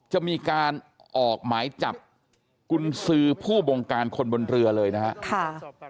จะมีการออกหมายจับกุญสือผู้บงการคนบนเรือเลยนะครับ